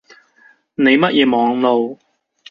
你乜嘢網路